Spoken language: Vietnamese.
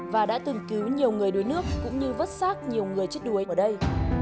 và đã từng cứu nhiều người đuối nước cũng như vất xác nhiều người chết đuối ở đây